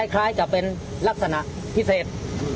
คล้ายจะเป็นลักษณะพิเศษ